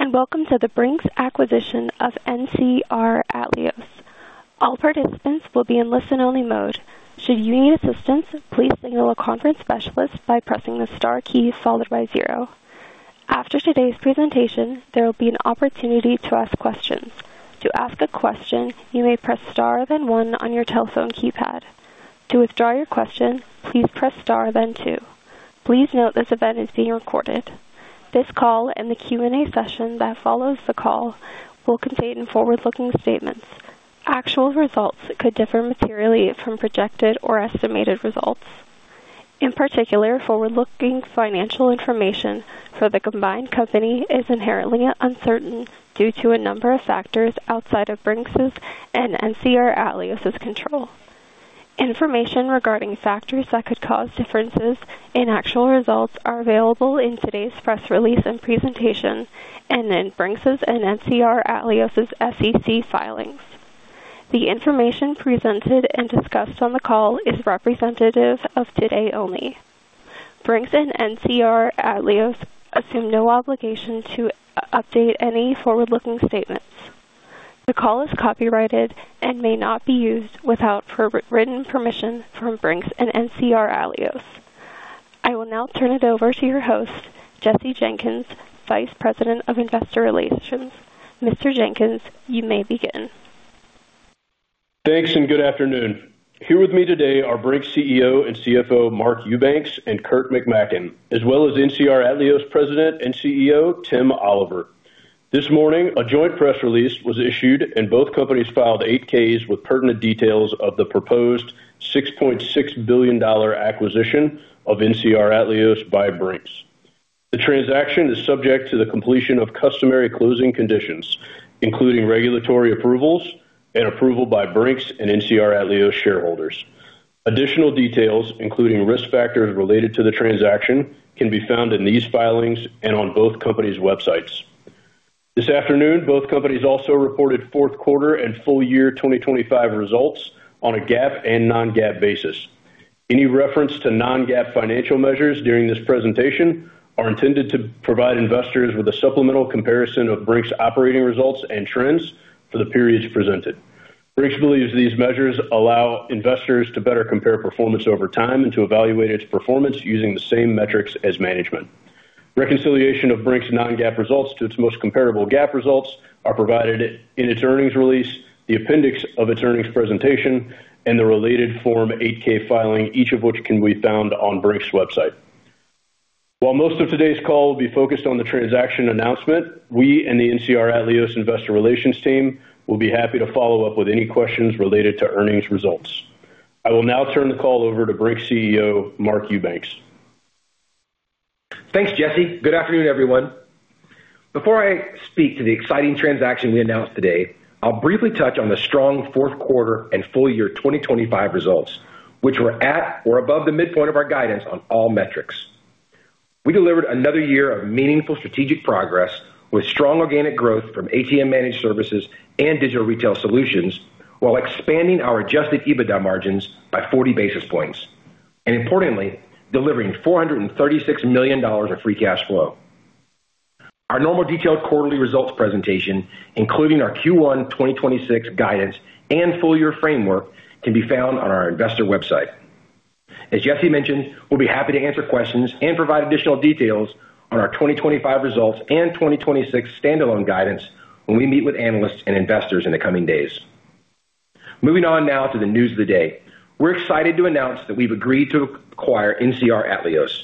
Welcome to the Brink's acquisition of NCR Atleos. All participants will be in listen-only mode. Should you need assistance, please signal a conference specialist by pressing the star key followed by zero. After today's presentation, there will be an opportunity to ask questions. To ask a question, you may press star then one on your telephone keypad. To withdraw your question, please press star then two. Please note this event is being recorded. This call and the Q&A session that follows the call will contain forward-looking statements. Actual results could differ materially from projected or estimated results. In particular, forward-looking financial information for the combined company is inherently uncertain due to a number of factors outside of Brink's' and NCR Atleos' control. Information regarding factors that could cause differences in actual results are available in today's press release and presentation, and in Brink's' and NCR Atleos' SEC filings. The information presented and discussed on the call is representative of today only. Brink's and NCR Atleos assume no obligation to update any forward-looking statements. The call is copyrighted and may not be used without written permission from Brink's and NCR Atleos. I will now turn it over to your host, Jesse Jenkins, Vice President of Investor Relations. Mr. Jenkins, you may begin. Thanks, and good afternoon. Here with me today are Brink's CEO and CFO, Mark Eubanks and Kurt McMaken, as well as NCR Atleos President and CEO, Tim Oliver. This morning, a joint press release was issued and both companies filed 8-Ks with pertinent details of the proposed $6.6 billion acquisition of NCR Atleos by Brink's. The transaction is subject to the completion of customary closing conditions, including regulatory approvals and approval by Brink's and NCR Atleos shareholders. Additional details, including risk factors related to the transaction, can be found in these filings and on both companies' websites. This afternoon, both companies also reported fourth quarter and full year 2025 results on a GAAP and non-GAAP basis. Any reference to non-GAAP financial measures during this presentation are intended to provide investors with a supplemental comparison of Brink's operating results and trends for the periods presented. Brink's believes these measures allow investors to better compare performance over time and to evaluate its performance using the same metrics as management. Reconciliation of Brink's non-GAAP results to its most comparable GAAP results are provided in its earnings release, the appendix of its earnings presentation, and the related Form 8-K filing, each of which can be found on Brink's website. While most of today's call will be focused on the transaction announcement, we and the NCR Atleos Investor Relations team will be happy to follow up with any questions related to earnings results. I will now turn the call over to Brink's CEO, Mark Eubanks. Thanks, Jesse. Good afternoon, everyone. Before I speak to the exciting transaction we announced today, I'll briefly touch on the strong fourth quarter and full year 2025 results, which were at or above the midpoint of our guidance on all metrics. We delivered another year of meaningful strategic progress, with strong organic growth from ATM Managed Services and Digital Retail Solutions, while expanding our adjusted EBITDA margins by 40 basis points, and importantly, delivering $436 million of free cash flow. Our normal detailed quarterly results presentation, including our Q1 2026 guidance and full year framework, can be found on our Investor website. As Jesse mentioned, we'll be happy to answer questions and provide additional details on our 2025 results and 2026 standalone guidance when we meet with analysts and investors in the coming days. Moving on now to the news of the day. We're excited to announce that we've agreed to acquire NCR Atleos,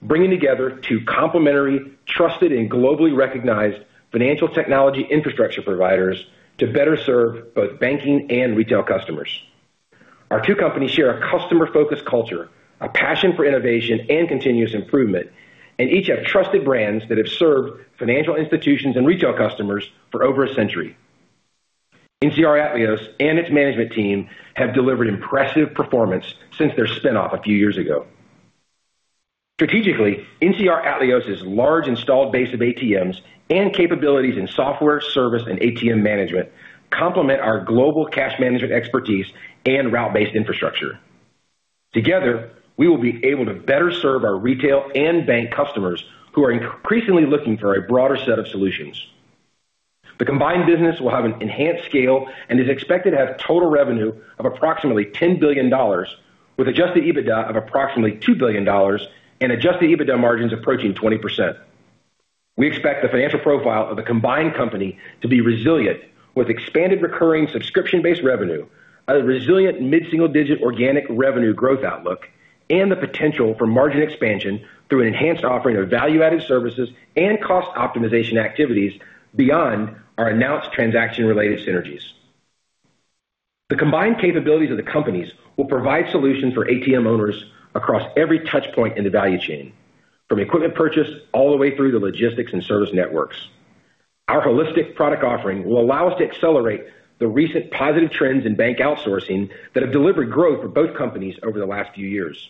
bringing together two complementary, trusted, and globally recognized financial technology infrastructure providers to better serve both banking and retail customers. Our two companies share a customer-focused culture, a passion for innovation and continuous improvement, and each have trusted brands that have served financial institutions and retail customers for over a century. NCR Atleos and its management team have delivered impressive performance since their spin-off a few years ago. Strategically, NCR Atleos' large installed base of ATMs and capabilities in software, service, and ATM management complement our global cash management expertise and route-based infrastructure. Together, we will be able to better serve our retail and bank customers, who are increasingly looking for a broader set of solutions. The combined business will have an enhanced scale and is expected to have total revenue of approximately $10 billion, with adjusted EBITDA of approximately $2 billion and adjusted EBITDA margins approaching 20%. We expect the financial profile of the combined company to be resilient, with expanded recurring subscription-based revenue at a resilient mid-single-digit organic revenue growth outlook, and the potential for margin expansion through an enhanced offering of value-added services and cost optimization activities beyond our announced transaction-related synergies. The combined capabilities of the companies will provide solutions for ATM owners across every touch point in the value chain, from equipment purchase all the way through the logistics and service networks. Our holistic product offering will allow us to accelerate the recent positive trends in bank outsourcing that have delivered growth for both companies over the last few years.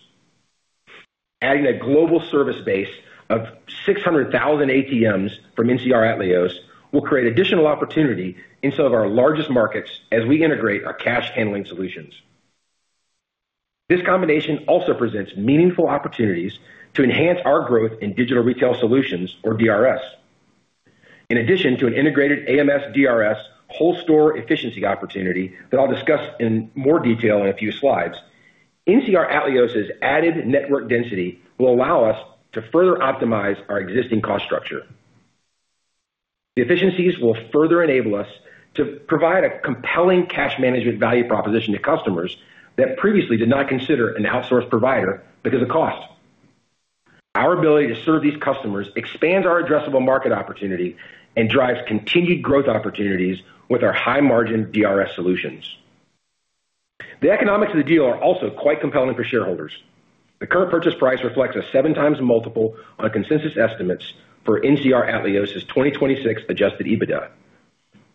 Adding a global service base of 600,000 ATMs from NCR Atleos will create additional opportunity in some of our largest markets as we integrate our cash handling solutions. This combination also presents meaningful opportunities to enhance our growth in Digital Retail Solutions, or DRS. In addition to an integrated AMS/DRS whole store efficiency opportunity that I'll discuss in more detail in a few slides, NCR Atleos' added network density will allow us to further optimize our existing cost structure. The efficiencies will further enable us to provide a compelling cash management value proposition to customers that previously did not consider an outsourced provider because of cost. Our ability to serve these customers expands our addressable market opportunity and drives continued growth opportunities with our high margin DRS solutions. The economics of the deal are also quite compelling for shareholders. The current purchase price reflects a 7x multiple on consensus estimates for NCR Atleos' 2026 adjusted EBITDA.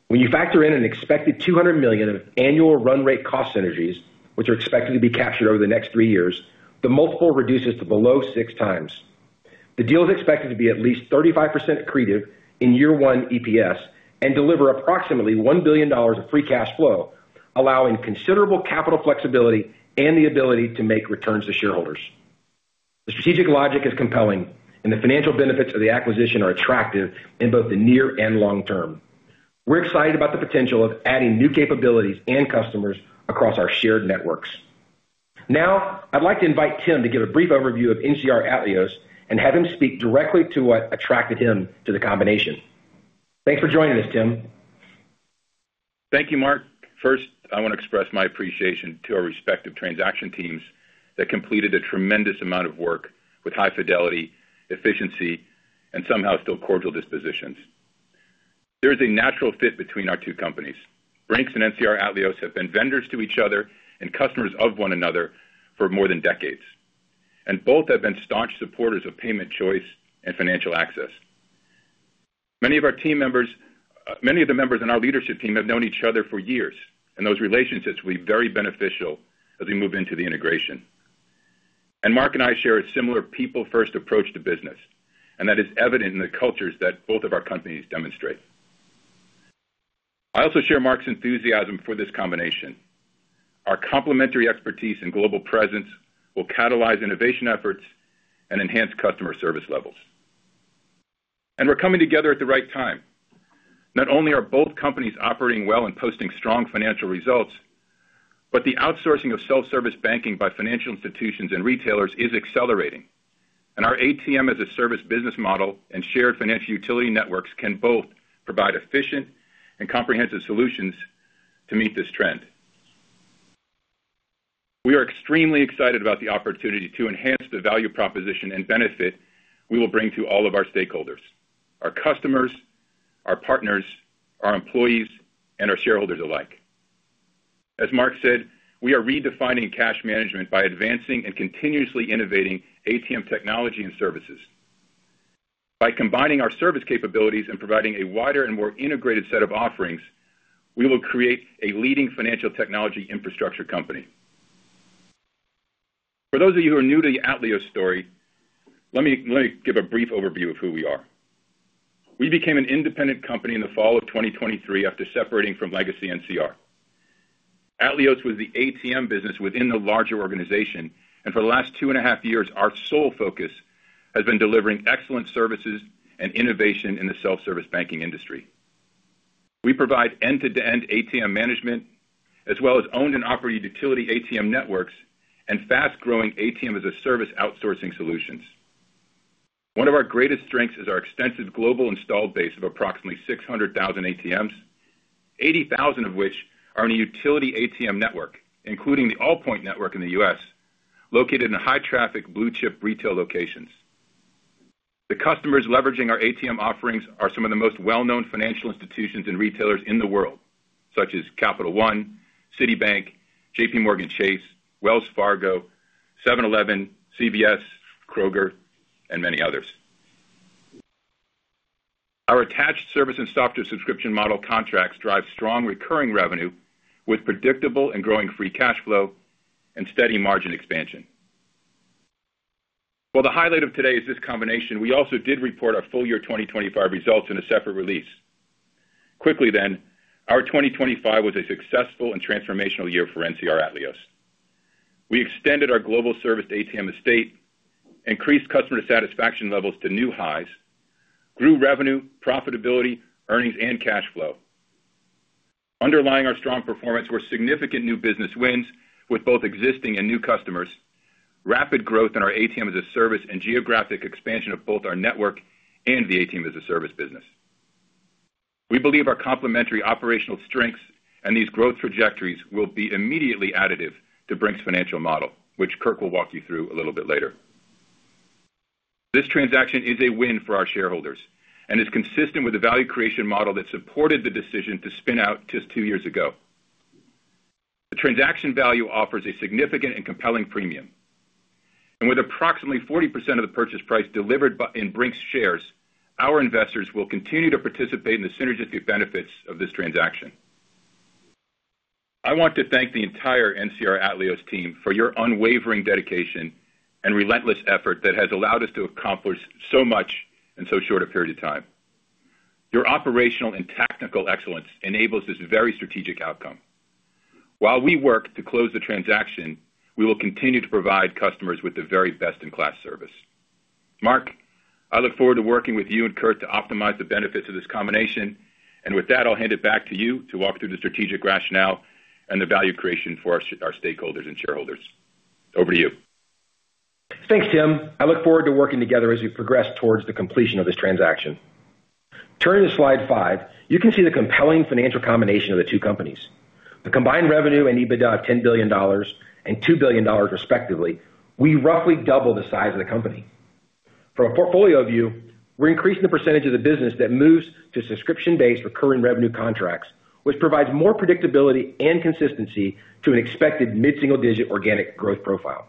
When you factor in an expected $200 million of annual run rate cost synergies, which are expected to be captured over the next three years, the multiple reduces to below 6x. The deal is expected to be at least 35% accretive in year one EPS and deliver approximately $1 billion of free cash flow, allowing considerable capital flexibility and the ability to make returns to shareholders. The strategic logic is compelling, and the financial benefits of the acquisition are attractive in both the near and long term. We're excited about the potential of adding new capabilities and customers across our shared networks. I'd like to invite Tim to give a brief overview of NCR Atleos and have him speak directly to what attracted him to the combination. Thanks for joining us, Tim. Thank you, Mark. First, I want to express my appreciation to our respective transaction teams that completed a tremendous amount of work with high fidelity, efficiency, and somehow still cordial dispositions. There is a natural fit between our two companies. Brink's and NCR Atleos have been vendors to each other and customers of one another for more than decades. Both have been staunch supporters of payment choice and financial access. Many of the members in our leadership team have known each other for years, and those relationships will be very beneficial as we move into the integration. Mark and I share a similar people-first approach to business, and that is evident in the cultures that both of our companies demonstrate. I also share Mark's enthusiasm for this combination. Our complementary expertise and global presence will catalyze innovation efforts and enhance customer service levels. We're coming together at the right time. Not only are both companies operating well and posting strong financial results, but the outsourcing of self-service banking by financial institutions and retailers is accelerating, and our ATM-as-a-service business model and shared financial utility networks can both provide efficient and comprehensive solutions to meet this trend. We are extremely excited about the opportunity to enhance the value proposition and benefit we will bring to all of our stakeholders, our customers, our partners, our employees, and our shareholders alike. As Mark said, we are redefining cash management by advancing and continuously innovating ATM technology and services. By combining our service capabilities and providing a wider and more integrated set of offerings, we will create a leading financial technology infrastructure company. For those of you who are new to the Atleos story, let me give a brief overview of who we are. We became an independent company in the fall of 2023 after separating from legacy NCR. NCR Atleos was the ATM business within the larger organization, and for the last 2.5 years, our sole focus has been delivering excellent services and innovation in the self-service banking industry. We provide end-to-end ATM management, as well as owned and operated utility ATM networks and fast-growing ATM-as-a-service outsourcing solutions. One of our greatest strengths is our extensive global installed base of approximately 600,000 ATMs, 80,000 of which are in a utility ATM network, including the Allpoint Network in the U.S., located in high traffic, blue chip retail locations. The customers leveraging our ATM offerings are some of the most well-known financial institutions and retailers in the world, such as Capital One, Citibank, JPMorgan Chase, Wells Fargo, 7-Eleven, CVS, Kroger, and many others. Our attached service and software subscription model contracts drive strong recurring revenue with predictable and growing free cash flow and steady margin expansion. While the highlight of today is this combination, we also did report our full year 2025 results in a separate release. Quickly then, our 2025 was a successful and transformational year for NCR Atleos. We extended our global service ATM estate, increased customer satisfaction levels to new highs, grew revenue, profitability, earnings and cash flow. Underlying our strong performance were significant new business wins with both existing and new customers, rapid growth in our ATM-as-a-service, and geographic expansion of both our network and the ATM-as-a-service business. We believe our complementary operational strengths and these growth trajectories will be immediately additive to Brink's financial model, which Kurt will walk you through a little bit later. This transaction is a win for our shareholders and is consistent with the value creation model that supported the decision to spin out just two years ago. The transaction value offers a significant and compelling premium, and with approximately 40% of the purchase price delivered by, in Brink's shares, our investors will continue to participate in the synergistic benefits of this transaction. I want to thank the entire NCR Atleos team for your unwavering dedication and relentless effort that has allowed us to accomplish so much in so short a period of time. Your operational and tactical excellence enables this very strategic outcome. While we work to close the transaction, we will continue to provide customers with the very best-in-class service. Mark, I look forward to working with you and Kurt to optimize the benefits of this combination. With that, I'll hand it back to you to walk through the strategic rationale and the value creation for our stakeholders and shareholders. Over to you. Thanks, Tim. I look forward to working together as we progress towards the completion of this transaction. Turning to slide five, you can see the compelling financial combination of the two companies. The combined revenue and EBITDA of $10 billion and $2 billion, respectively, we roughly double the size of the company. From a portfolio view, we're increasing the percentage of the business that moves to subscription-based recurring revenue contracts, which provides more predictability and consistency to an expected mid-single digit organic growth profile.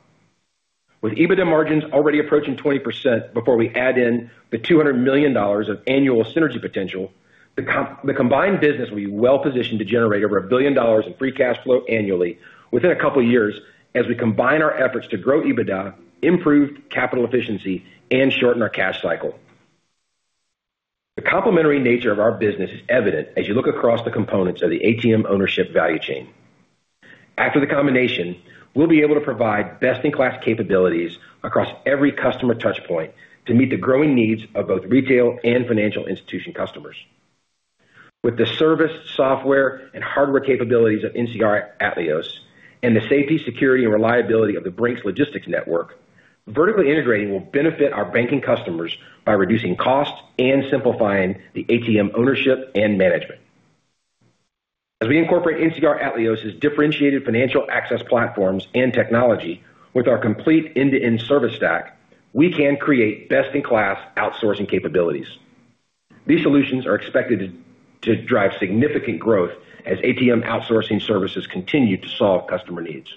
With EBITDA margins already approaching 20% before we add in the $200 million of annual synergy potential, the combined business will be well positioned to generate over $1 billion in free cash flow annually within a couple of years as we combine our efforts to grow EBITDA, improve capital efficiency, and shorten our cash cycle. The complementary nature of our business is evident as you look across the components of the ATM ownership value chain. After the combination, we'll be able to provide best-in-class capabilities across every customer touch point to meet the growing needs of both retail and financial institution customers. With the service, software, and hardware capabilities of NCR Atleos, and the safety, security, and reliability of the Brink's logistics network, vertically integrating will benefit our banking customers by reducing costs and simplifying the ATM ownership and management. As we incorporate NCR Atleos' differentiated financial access platforms and technology with our complete end-to-end service stack, we can create best-in-class outsourcing capabilities. These solutions are expected to drive significant growth as ATM outsourcing services continue to solve customer needs.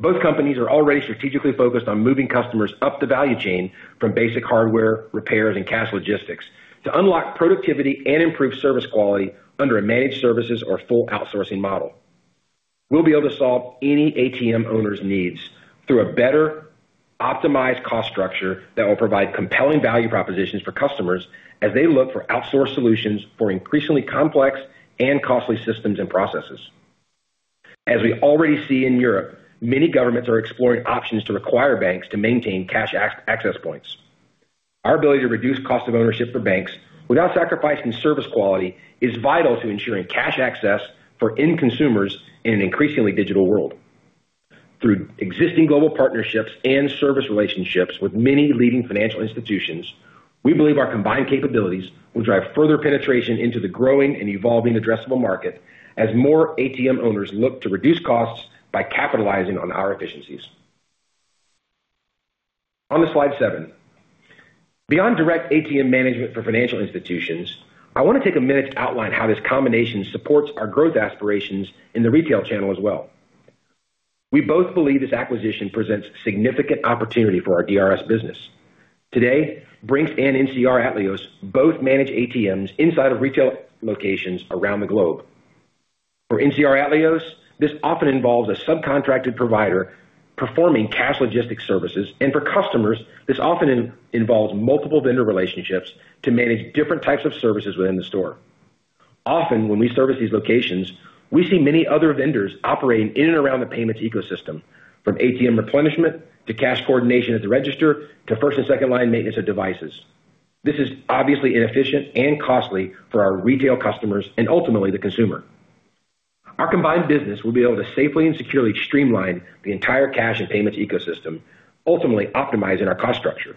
Both companies are already strategically focused on moving customers up the value chain from basic hardware repairs and cash logistics to unlock productivity and improve service quality under a managed services or full outsourcing model. We'll be able to solve any ATM owner's needs through a better optimized cost structure that will provide compelling value propositions for customers as they look for outsourced solutions for increasingly complex and costly systems and processes. As we already see in Europe, many governments are exploring options to require banks to maintain cash access points. Our ability to reduce cost of ownership for banks without sacrificing service quality is vital to ensuring cash access for end consumers in an increasingly digital world. Through existing global partnerships and service relationships with many leading financial institutions, we believe our combined capabilities will drive further penetration into the growing and evolving addressable market, as more ATM owners look to reduce costs by capitalizing on our efficiencies. On to slide seven. Beyond direct ATM management for financial institutions, I want to take a minute to outline how this combination supports our growth aspirations in the retail channel as well. We both believe this acquisition presents significant opportunity for our DRS business. Today, Brink's and NCR Atleos both manage ATMs inside of retail locations around the globe. For NCR Atleos, this often involves a subcontracted provider performing cash logistics services, and for customers, this often involves multiple vendor relationships to manage different types of services within the store. Often, when we service these locations, we see many other vendors operating in and around the payments ecosystem, from ATM replenishment to cash coordination at the register to first- and second-line maintenance of devices. This is obviously inefficient and costly for our retail customers and ultimately the consumer. Our combined business will be able to safely and securely streamline the entire cash and payments ecosystem, ultimately optimizing our cost structure.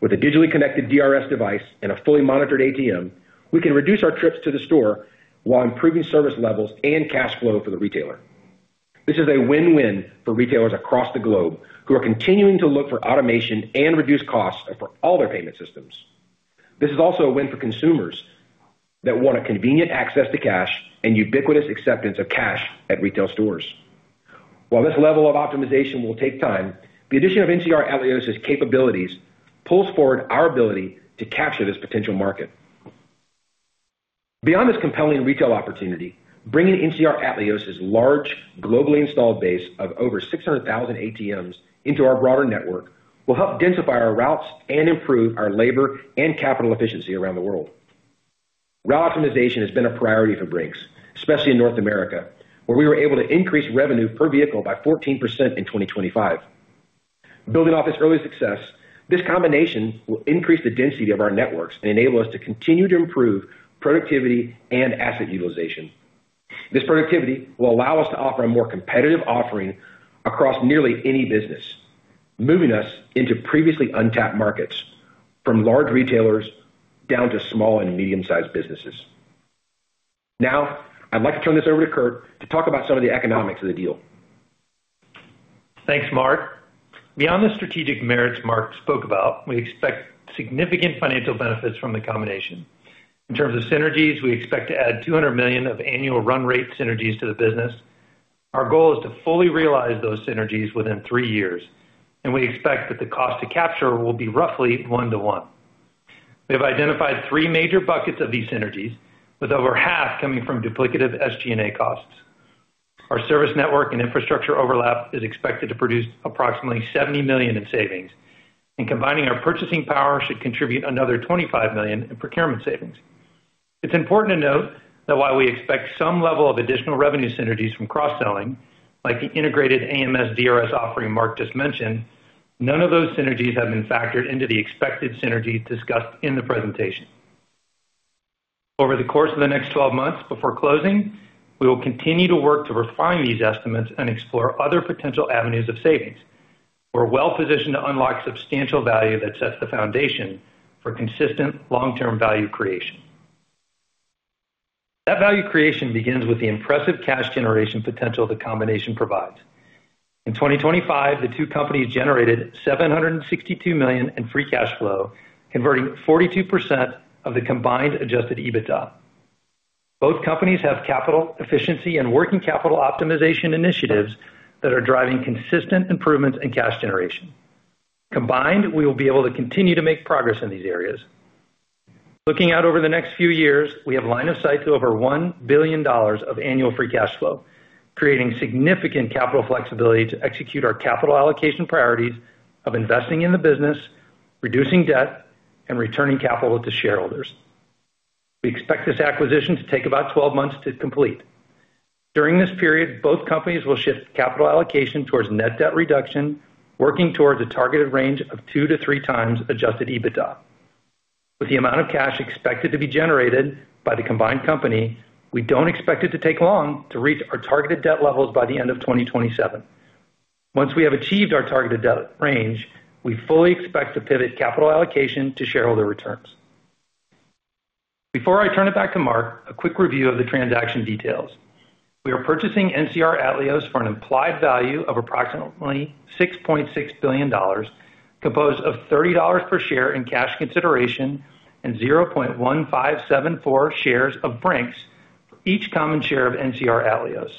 With a digitally connected DRS device and a fully monitored ATM, we can reduce our trips to the store while improving service levels and cash flow for the retailer. This is a win-win for retailers across the globe who are continuing to look for automation and reduce costs for all their payment systems. This is also a win for consumers that want a convenient access to cash and ubiquitous acceptance of cash at retail stores. While this level of optimization will take time, the addition of NCR Atleos' capabilities pulls forward our ability to capture this potential market. Beyond this compelling retail opportunity, bringing NCR Atleos' large, globally installed base of over 600,000 ATMs into our broader network will help densify our routes and improve our labor and capital efficiency around the world. Route optimization has been a priority for Brink's, especially in North America, where we were able to increase revenue per vehicle by 14% in 2025. Building off this early success, this combination will increase the density of our networks and enable us to continue to improve productivity and asset utilization. This productivity will allow us to offer a more competitive offering across nearly any business, moving us into previously untapped markets, from large retailers down to small and medium-sized businesses. I'd like to turn this over to Kurt to talk about some of the economics of the deal. Thanks, Mark. Beyond the strategic merits Mark spoke about, we expect significant financial benefits from the combination. In terms of synergies, we expect to add $200 million of annual run rate synergies to the business. Our goal is to fully realize those synergies within three years. We expect that the cost to capture will be roughly one to one. We have identified three major buckets of these synergies, with over half coming from duplicative SG&A costs. Our service network and infrastructure overlap is expected to produce approximately $70 million in savings, and combining our purchasing power should contribute another $25 million in procurement savings. It's important to note that while we expect some level of additional revenue synergies from cross-selling, like the integrated AMS/DRS offering Mark just mentioned, none of those synergies have been factored into the expected synergies discussed in the presentation. Over the course of the next 12 months before closing, we will continue to work to refine these estimates and explore other potential avenues of savings. We're well positioned to unlock substantial value that sets the foundation for consistent long-term value creation. That value creation begins with the impressive cash generation potential the combination provides. In 2025, the two companies generated $762 million in free cash flow, converting 42% of the combined adjusted EBITDA. Both companies have capital efficiency and working capital optimization initiatives that are driving consistent improvements in cash generation. Combined, we will be able to continue to make progress in these areas. Looking out over the next few years, we have line of sight to over $1 billion of annual free cash flow, creating significant capital flexibility to execute our capital allocation priorities of investing in the business, reducing debt, and returning capital to shareholders. We expect this acquisition to take about 12 months to complete. During this period, both companies will shift capital allocation towards net debt reduction, working towards a targeted range of 2x-3x adjusted EBITDA. With the amount of cash expected to be generated by the combined company, we don't expect it to take long to reach our targeted debt levels by the end of 2027. Once we have achieved our targeted debt range, we fully expect to pivot capital allocation to shareholder returns. Before I turn it back to Mark, a quick review of the transaction details. We are purchasing NCR Atleos for an implied value of approximately $6.6 billion, composed of $30 per share in cash consideration and 0.1574 shares of Brink's for each common share of NCR Atleos.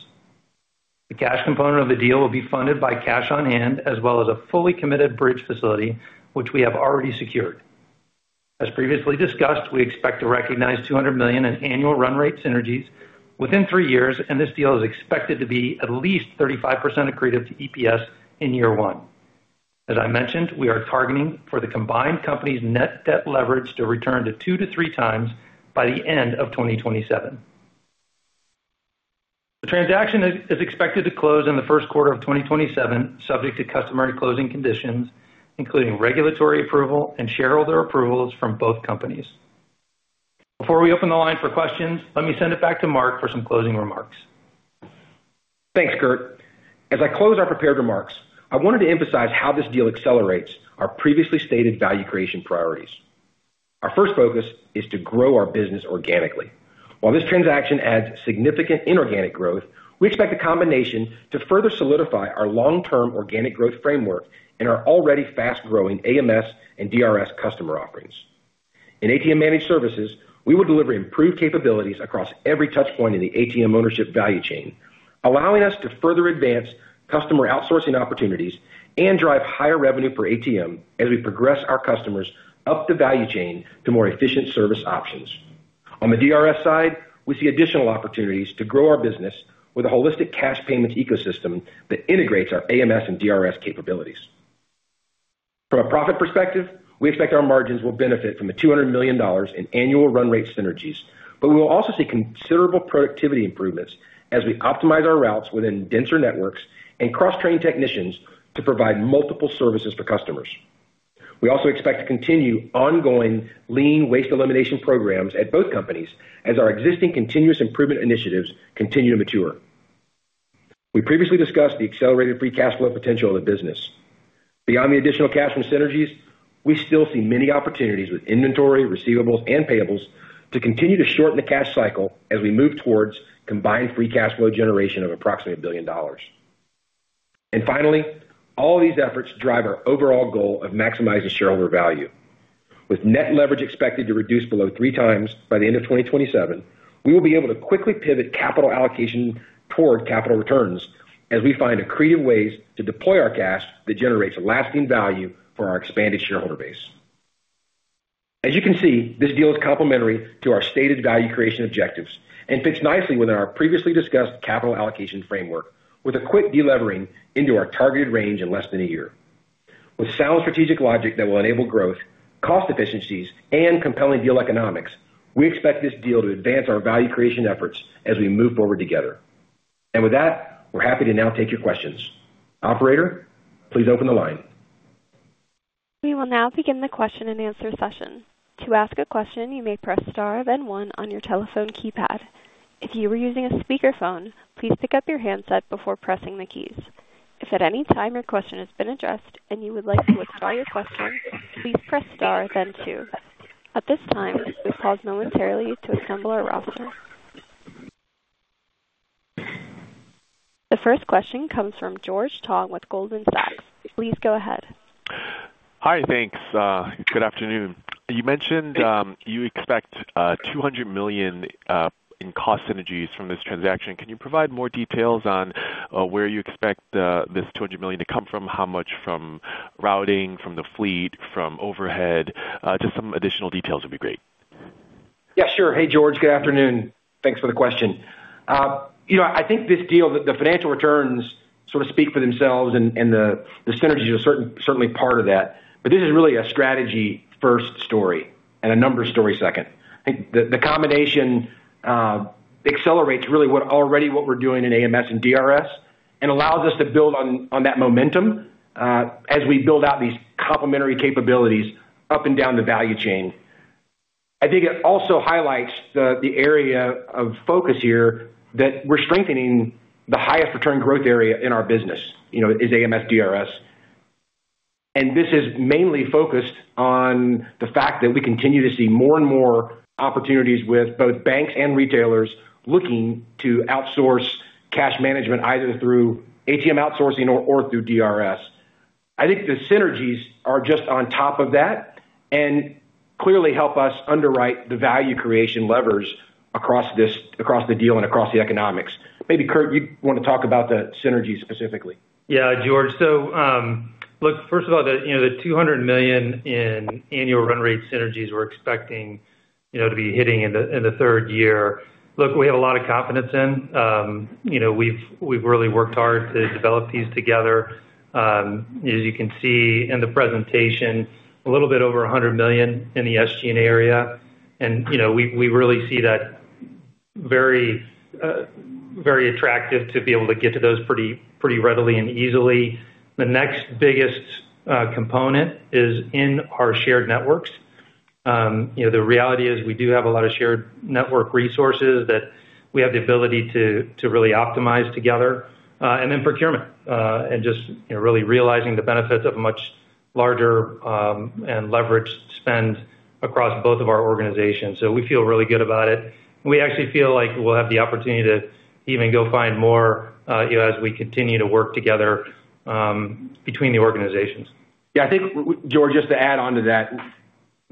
The cash component of the deal will be funded by cash on hand, as well as a fully committed bridge facility, which we have already secured. As previously discussed, we expect to recognize $200 million in annual run rate synergies within three years, and this deal is expected to be at least 35% accretive to EPS in year one. As I mentioned, we are targeting for the combined company's net debt leverage to return to 2x-3x by the end of 2027. The transaction is expected to close in the first quarter of 2027, subject to customary closing conditions, including regulatory approval and shareholder approvals from both companies. Before we open the line for questions, let me send it back to Mark for some closing remarks. Thanks, Kurt. As I close our prepared remarks, I wanted to emphasize how this deal accelerates our previously stated value creation priorities. Our first focus is to grow our business organically. While this transaction adds significant inorganic growth, we expect the combination to further solidify our long-term organic growth framework in our already fast-growing AMS and DRS customer offerings. In ATM Managed Services, we will deliver improved capabilities across every touch point in the ATM ownership value chain, allowing us to further advance customer outsourcing opportunities and drive higher revenue per ATM as we progress our customers up the value chain to more efficient service options. On the DRS side, we see additional opportunities to grow our business with a holistic cash payments ecosystem that integrates our AMS and DRS capabilities. From a profit perspective, we expect our margins will benefit from the $200 million in annual run rate synergies, but we will also see considerable productivity improvements as we optimize our routes within denser networks and cross-train technicians to provide multiple services to customers. We also expect to continue ongoing lean waste elimination programs at both companies as our existing continuous improvement initiatives continue to mature. We previously discussed the accelerated free cash flow potential of the business. Beyond the additional cash from synergies, we still see many opportunities with inventory, receivables and payables to continue to shorten the cash cycle as we move towards combined free cash flow generation of approximately $1 billion. Finally, all these efforts drive our overall goal of maximizing shareholder value. With net leverage expected to reduce below 3x by the end of 2027, we will be able to quickly pivot capital allocation toward capital returns as we find creative ways to deploy our cash that generates lasting value for our expanded shareholder base. As you can see, this deal is complementary to our stated value creation objectives and fits nicely within our previously discussed capital allocation framework, with a quick delevering into our targeted range in less than a year. With sound strategic logic that will enable growth, cost efficiencies, and compelling deal economics, we expect this deal to advance our value creation efforts as we move forward together. With that, we're happy to now take your questions. Operator, please open the line. We will now begin the question-and-answer session. To ask a question, you may press star, then one on your telephone keypad. If you are using a speakerphone, please pick up your handset before pressing the keys. If at any time your question has been addressed and you would like to withdraw your question, please press star then two. At this time, we pause momentarily to assemble our roster. The first question comes from George Tong with Goldman Sachs. Please go ahead. Hi, thanks. Good afternoon. You mentioned you expect $200 million in cost synergies from this transaction. Can you provide more details on where you expect this $200 million to come from? How much from routing, from the fleet, from overhead? Just some additional details would be great. Yeah, sure. Hey, George, good afternoon. Thanks for the question. You know, I think this deal, the financial returns sort of speak for themselves, and the synergies are certainly part of that. This is really a strategy first story and a numbers story second. I think the combination accelerates what we're doing in AMS and DRS, and allows us to build on that momentum as we build out these complementary capabilities up and down the value chain. I think it also highlights the area of focus here, that we're strengthening the highest return growth area in our business, you know, is AMS/DRS. This is mainly focused on the fact that we continue to see more and more opportunities with both banks and retailers looking to outsource cash management, either through ATM outsourcing or through DRS. I think the synergies are just on top of that, and clearly help us underwrite the value creation levers across the deal and across the economics. Maybe, Kurt, you'd want to talk about the synergies specifically? Yeah, George. Look, first of all, the, you know, the $200 million in annual run rate synergies we're expecting, you know, to be hitting in the, in the third year. Look, we have a lot of confidence in, you know, we've really worked hard to develop these together. As you can see in the presentation, a little bit over $100 million in the SG&A area, and, you know, we really see that very, very attractive to be able to get to those pretty readily and easily. The next biggest component is in our shared networks. You know, the reality is we do have a lot of shared network resources that we have the ability to really optimize together, and then procurement, and just, you know, really realizing the benefits of a much larger, and leveraged spend across both of our organizations. We feel really good about it. We actually feel like we'll have the opportunity to even go find more, you know, as we continue to work together, between the organizations. Yeah. I think George, just to add on to that, you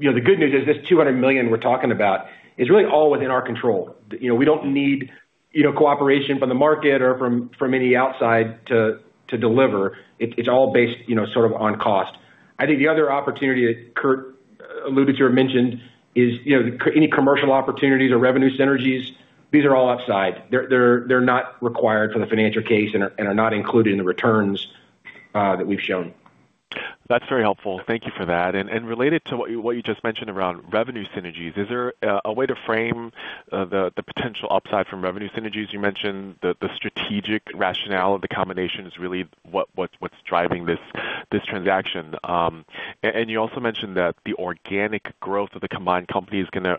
know, the good news is this $200 million we're talking about is really all within our control. You know, we don't need, you know, cooperation from the market or from any outside to deliver. It's all based, you know, sort of on cost. I think the other opportunity that Kurt alluded to or mentioned is, you know, any commercial opportunities or revenue synergies, these are all outside. They're not required for the financial case and are not included in the returns that we've shown. That's very helpful. Thank you for that. Related to what you just mentioned around revenue synergies, is there a way to frame the potential upside from revenue synergies? You mentioned the strategic rationale of the combination is really what's driving this transaction. You also mentioned that the organic growth of the combined company is gonna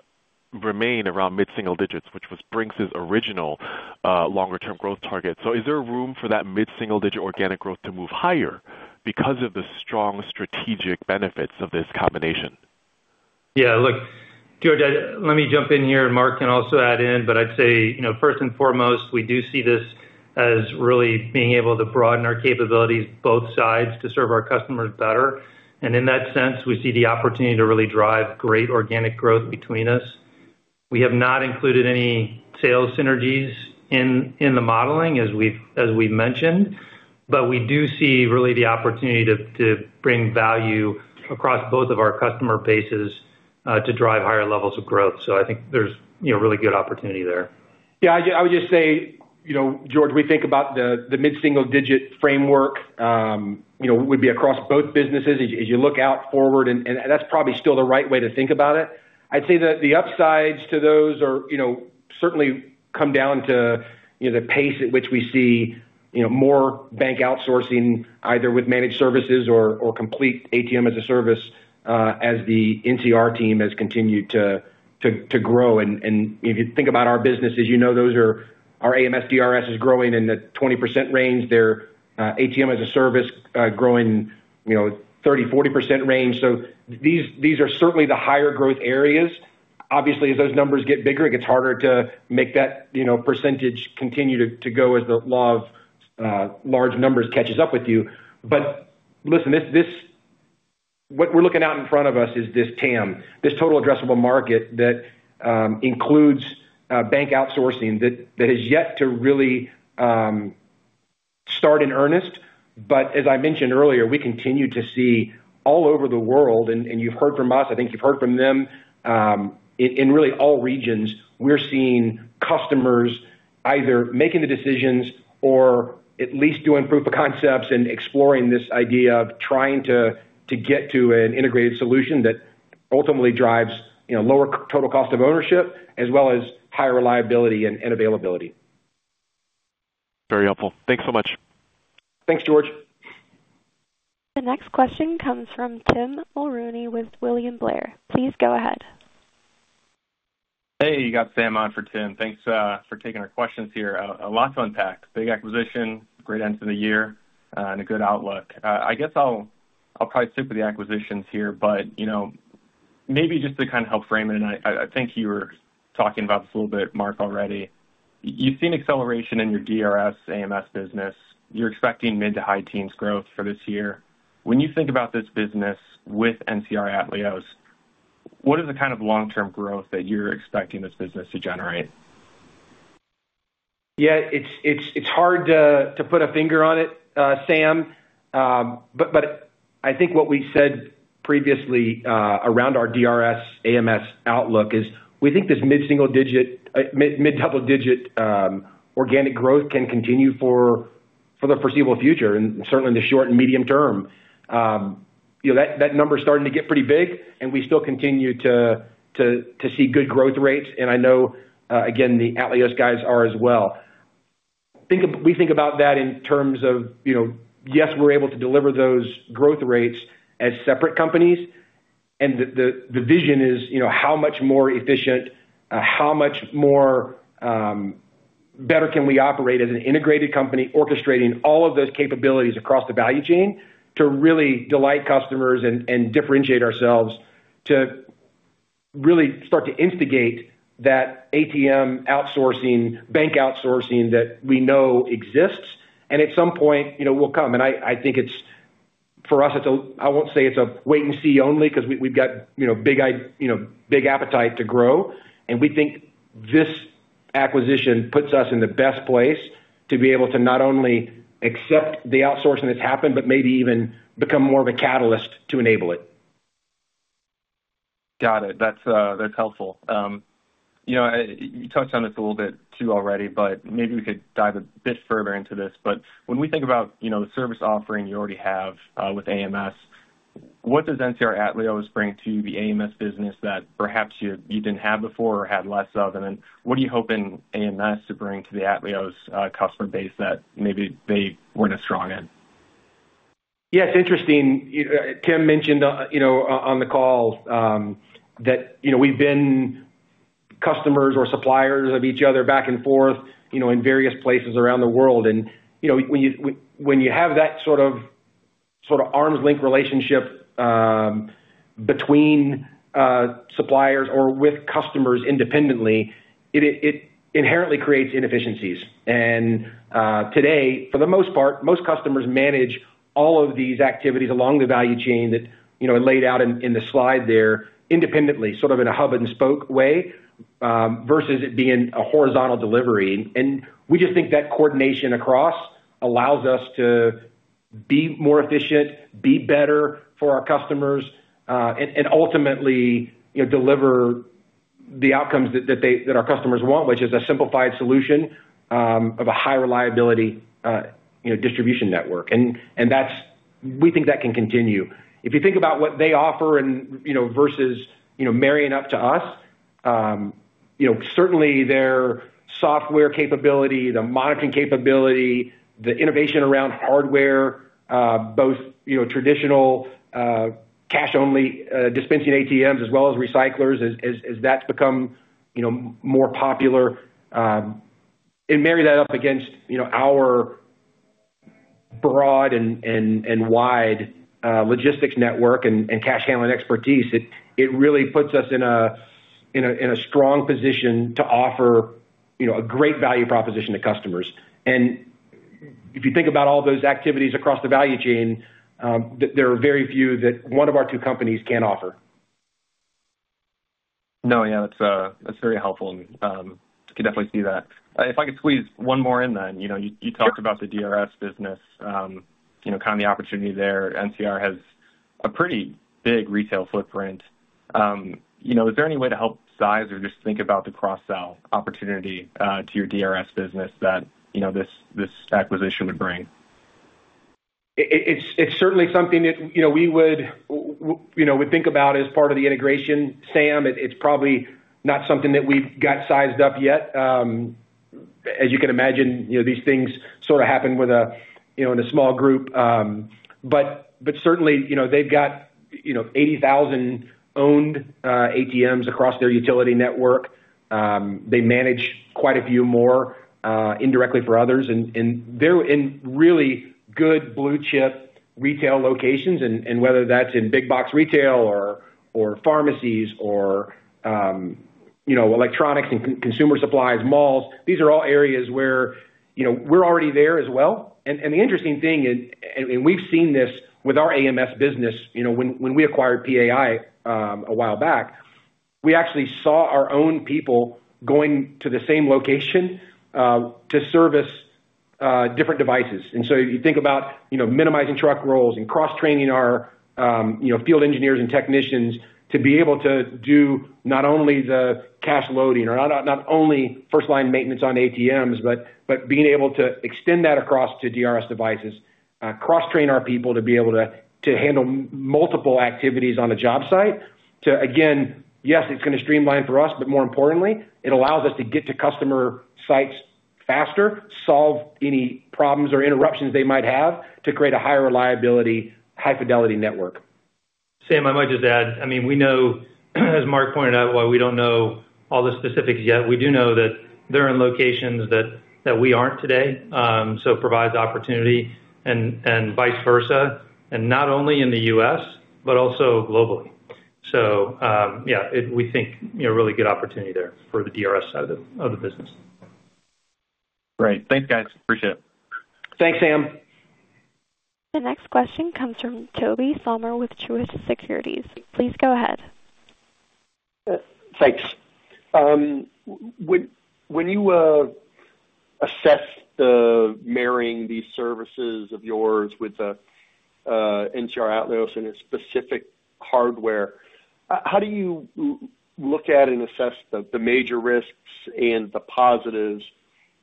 remain around mid-single digits, which was Brink's' original longer-term growth target. Is there room for that mid-single digit organic growth to move higher because of the strong strategic benefits of this combination? Yeah, look, George, let me jump in here, and Mark can also add in. But I'd say, you know, first and foremost, we do see this as really being able to broaden our capabilities, both sides, to serve our customers better. In that sense, we see the opportunity to really drive great organic growth between us. We have not included any sales synergies in the modeling, as we've mentioned, but we do see really the opportunity to bring value across both of our customer bases to drive higher levels of growth. I think there's, you know, really good opportunity there. Yeah. I would just say, you know, George, we think about the mid-single digit framework, you know, would be across both businesses as you, as you look out forward. That's probably still the right way to think about it. I'd say that the upsides to those are, you know, certainly come down to, you know, the pace at which we see, you know, more bank outsourcing, either with managed services or complete ATM-as-a-service, as the NCR team has continued to grow. If you think about our businesses, you know, those are our AMS/DRS is growing in the 20% range. Their ATM-as-a-service, growing, you know, 30%-40% range. These are certainly the higher growth areas. Obviously, as those numbers get bigger, it gets harder to make that, you know, percentage continue to go as the law of large numbers catches up with you. Listen, this what we're looking out in front of us is this TAM, this total addressable market, that includes bank outsourcing, that has yet to really start in earnest. As I mentioned earlier, we continue to see all over the world, and you've heard from us, I think you've heard from them, in really all regions, we're seeing customers either making the decisions or at least doing proof of concepts and exploring this idea of trying to get to an integrated solution that ultimately drives, you know, lower total cost of ownership, as well as higher reliability and availability. Very helpful. Thanks so much. Thanks, George. The next question comes from Tim Mulrooney with William Blair. Please go ahead. Hey, you got Sam on for Tim. Thanks for taking our questions here. A lot to unpack. Big acquisition, great end to the year, and a good outlook. I guess I'll probably stick with the acquisitions here. But, you know, maybe just to kind of help frame it, and I think you were talking about this a little bit Mark already. You've seen acceleration in your DRS/AMS business. You're expecting mid-to-high teens growth for this year. When you think about this business with NCR Atleos, what is the kind of long-term growth that you're expecting this business to generate? Yeah, it's hard to put a finger on it, Sam. I think what we said previously around our DRS/AMS outlook is we think this mid-double digit organic growth can continue for the foreseeable future, and certainly in the short and medium term. You know, that number is starting to get pretty big, and we still continue to see good growth rates. I know, again, the Atleos guys are as well. We think about that in terms of, you know, yes, we're able to deliver those growth rates as separate companies, and the vision is, you know, how much more efficient, how much more better can we operate as an integrated company, orchestrating all of those capabilities across the value chain to really delight customers and differentiate ourselves, to really start to instigate that ATM outsourcing, bank outsourcing that we know exists, and at some point, you know, will come. I think it's for us, it's a. I won't say it's a wait and see only, because we've got, you know, big, you know, big appetite to grow. We think this acquisition puts us in the best place to be able to not only accept the outsourcing that's happened, but maybe even become more of a catalyst to enable it. Got it. That's helpful. You know, you touched on this a little bit, too, already, but maybe we could dive a bit further into this. When we think about, you know, the service offering you already have with AMS, what does NCR Atleos bring to the AMS business that perhaps you didn't have before or had less of? What are you hoping AMS to bring to the Atleos customer base that maybe they weren't as strong in? Yeah, it's interesting. You, Tim mentioned, you know, on the call, that, you know, we've been customers or suppliers of each other back and forth, you know, in various places around the world. And, you know, when you have that sort of arms-length relationship between suppliers or with customers independently, it inherently creates inefficiencies. And today, for the most part, most customers manage all of these activities along the value chain that, you know, are laid out in the slide there independently, sort of in a hub-and-spoke way, versus it being a horizontal delivery. We just think that coordination across allows us to be more efficient, be better for our customers, and ultimately, you know, deliver the outcomes that our customers want, which is a simplified solution of a high reliability, you know, distribution network. That's we think that can continue. If you think about what they offer and, you know, versus, you know, marrying up to us, you know, certainly their software capability, the monitoring capability, the innovation around hardware, both, you know, traditional cash-only dispensing ATMs as well as recyclers, as that's become, you know, more popular. Marry that up against, you know, our broad and wide logistics network and cash handling expertise, it really puts us in a strong position to offer, you know, a great value proposition to customers. If you think about all those activities across the value chain, there are very few that one of our two companies can't offer. Yeah, that's very helpful. I can definitely see that. If I could squeeze one more in then. You know, you talked about the DRS business, you know, kind of the opportunity there. NCR has a pretty big retail footprint. You know, is there any way to help size or just think about the cross-sell opportunity to your DRS business that, you know, this acquisition would bring? It's certainly something that, you know, we would, you know, would think about as part of the integration, Sam. It, it's probably not something that we've got sized up yet. As you can imagine, you know, these things sort of happen with a, you know, in a small group. Certainly, you know, they've got, you know, 80,000 owned ATMs across their utility network. They manage quite a few more indirectly for others, and they're in really good blue chip retail locations, and whether that's in big box retail or pharmacies or, you know, electronics and consumer supplies, malls. These are all areas where, you know, we're already there as well. The interesting thing is, we've seen this with our AMS business, you know, when we acquired PAI a while back, we actually saw our own people going to the same location to service different devices. You think about, you know, minimizing truck roles and cross-training our, you know, field engineers and technicians to be able to do not only the cash loading or not only first-line maintenance on ATMs, but being able to extend that across to DRS devices. Cross-train our people to be able to handle multiple activities on a job site to, again, yes, it's going to streamline for us. But more importantly, it allows us to get to customer sites faster, solve any problems or interruptions they might have, to create a higher reliability, high fidelity network. Sam, I might just add. I mean, we know, as Mark pointed out, while we don't know all the specifics yet, we do know that they're in locations that we aren't today. It provides opportunity and vice versa, and not only in the U.S., but also globally. Yeah, we think, you know, really good opportunity there for the DRS side of the, of the business. Great. Thanks, guys. Appreciate it. Thanks, Sam. The next question comes from Tobey Sommer with Truist Securities. Please go ahead. Thanks. When you assess the marrying these services of yours with the NCR Atleos and its specific hardware, how do you look at and assess the major risks and the positives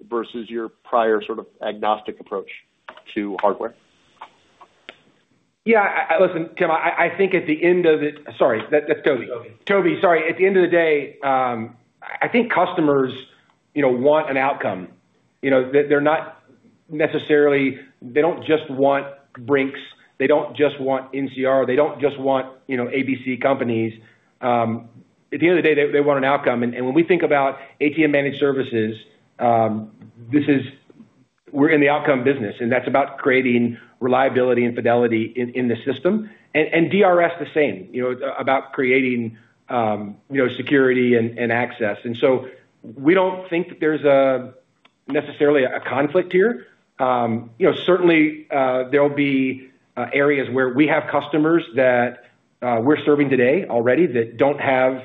versus your prior sort of agnostic approach to hardware? Yeah, I... Listen, Tim, I think at the end of it. Sorry, that's Tobey. Tobey. Tobey, sorry. At the end of the day, I think customers, you know, want an outcome. You know, they're not necessarily they don't just want Brink's. They don't just want NCR. They don't just want, you know, ABC companies. At the end of the day, they want an outcome. When we think about ATM Managed Services, we're in the outcome business, and that's about creating reliability and fidelity in the system. DRS the same, you know, it's about creating, you know, security and access. We don't think that there's a necessarily a conflict here. You know, certainly, there'll be areas where we have customers that we're serving today already that don't have,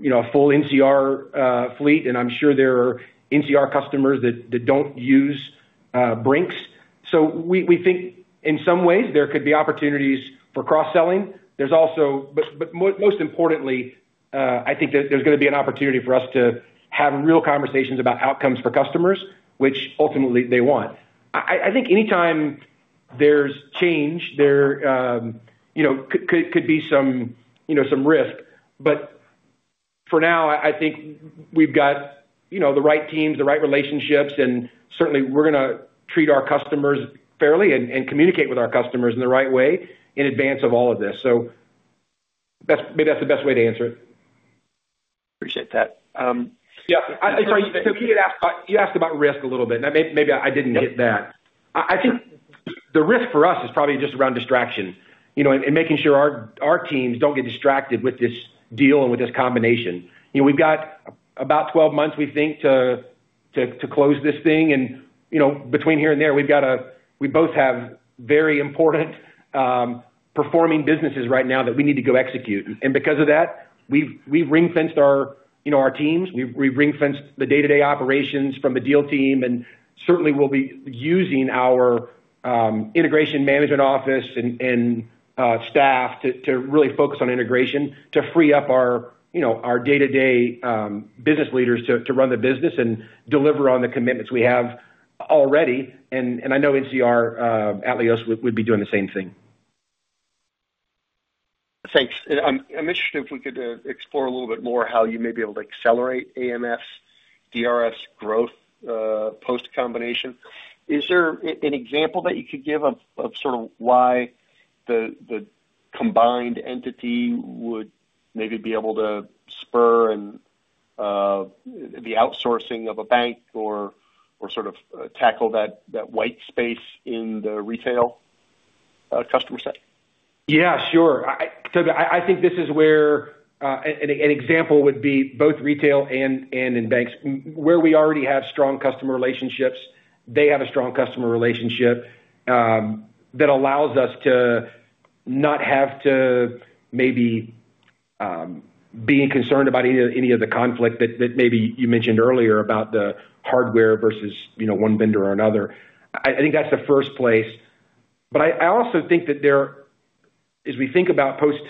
you know, a full NCR fleet. And I'm sure there are NCR customers that don't use, Brink's. We, we think in some ways there could be opportunities for cross-selling. There's also. Most importantly, I think that there's gonna be an opportunity for us to have real conversations about outcomes for customers, which ultimately they want. I think anytime there's change, there, you know, could be some, you know, some risk. For now, I think we've got, you know, the right teams, the right relationships, and certainly we're gonna treat our customers fairly and communicate with our customers in the right way in advance of all of this. That's maybe that's the best way to answer it. Appreciate that. Yeah. Sorry. You had asked about, you asked about risk a little bit, and maybe I didn't hit that. I think the risk for us is probably just around distraction, you know, and making sure our teams don't get distracted with this deal and with this combination. You know, we've got about 12 months, we think, to close this thing and, you know, between here and there, we both have very important performing businesses right now that we need to go execute. Because of that, we've ring-fenced our, you know, our teams. We've ring-fenced the day-to-day operations from the deal team. Certainly we'll be using our integration management office and staff to really focus on integration, to free up our, you know, our day-to-day business leaders to run the business and deliver on the commitments we have already. I know NCR Atleos would be doing the same thing. Thanks. I'm interested if we could explore a little bit more how you may be able to accelerate AMS/DRS growth post combination. Is there an example that you could give of sort of why the combined entity would maybe be able to spur the outsourcing of a bank or sort of tackle that white space in the retail customer set? Yeah, sure. I think this is where an example would be both retail and in banks, where we already have strong customer relationships, they have a strong customer relationship, that allows us to not have to maybe be concerned about any of the conflict that maybe you mentioned earlier about the hardware versus, you know, one vendor or another. I think that's the first place. I also think that there, as we think about post,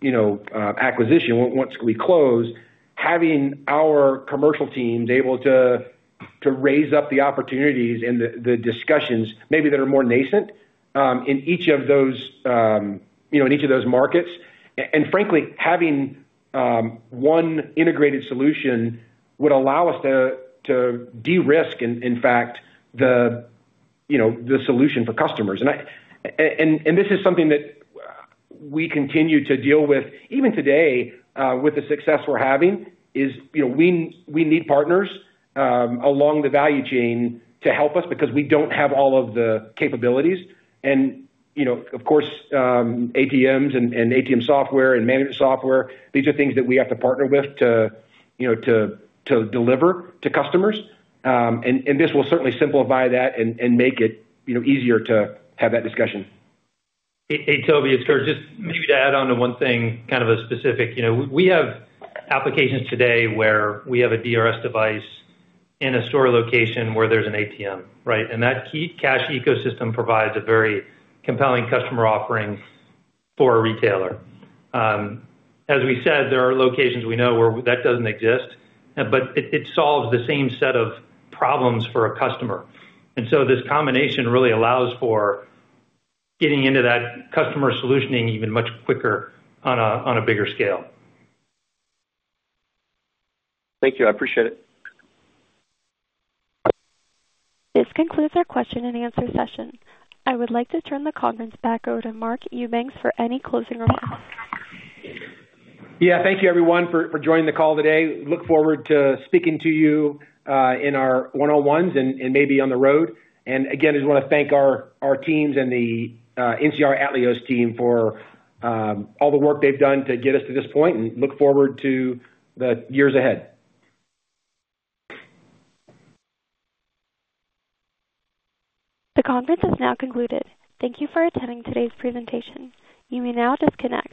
you know, acquisition, once we close, having our commercial teams able to raise up the opportunities and the discussions, maybe that are more nascent, in each of those, you know, in each of those markets. Frankly, having one integrated solution would allow us to de-risk, in fact, the, you know, the solution for customers. This is something that we continue to deal with even today, with the success we're having, is, you know, we need partners along the value chain to help us because we don't have all of the capabilities. Of course, ATMs and ATM software and management software, these are things that we have to partner with to, you know, to deliver to customers. This will certainly simplify that and make it, you know, easier to have that discussion. Hey. Hey, Tobey, it's Kurt. Just maybe to add on to one thing, kind of a specific. You know, we have applications today where we have a DRS device in a store location where there's an ATM, right? That key cash ecosystem provides a very compelling customer offering for a retailer. As we said, there are locations we know where that doesn't exist, but it solves the same set of problems for a customer. This combination really allows for getting into that customer solutioning even much quicker on a, on a bigger scale. Thank you. I appreciate it. This concludes our question and answer session. I would like to turn the conference back over to Mark Eubanks for any closing remarks. Yeah. Thank you, everyone, for joining the call today. Look forward to speaking to you in our one-on-ones and maybe on the road. Again, I just wanna thank our teams and the NCR Atleos team for all the work they've done to get us to this point, and look forward to the years ahead. The conference has now concluded. Thank you for attending today's presentation. You may now disconnect.